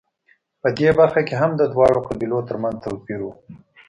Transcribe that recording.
په دې برخه کې هم د دواړو قبیلو ترمنځ توپیر و